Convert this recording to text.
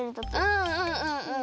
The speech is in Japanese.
うんうんうんうん。